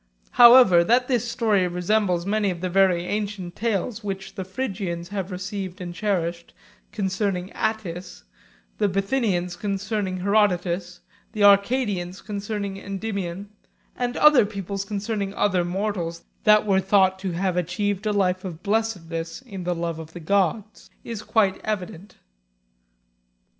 However, that this story resembles many of the very ancient tales which the Phrygians have received and cherished con cerning Attis, the Bithynians concerning Herodotus, the Arcadians concerning Endymion, and other peoples concerning other mortals who were thought to have achieved a life of blessedness in the love of the gods, is quite evident.